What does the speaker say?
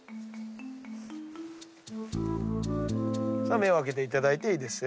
目を開けていただいていいですよ。